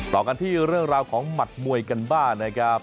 ต่อกันที่เรื่องราวของหมัดมวยกันบ้างนะครับ